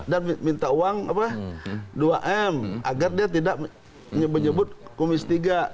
dan minta uang dua m agar dia tidak menyebut komisi tiga